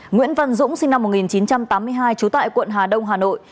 nguyễn văn dũng sinh năm một nghìn chín trăm tám mươi hai trú tại quận hà đông hà nội